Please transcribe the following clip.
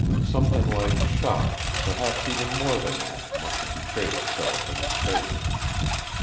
Something like shock, perhaps even more than that, must have betrayed itself in his face.